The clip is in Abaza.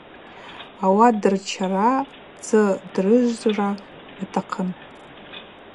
Ауат дырчара, дзы ддрыжвра атахъын.